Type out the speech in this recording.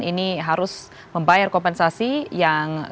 ini harus membayar kompensasi yang